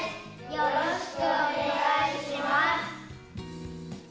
よろしくお願いします。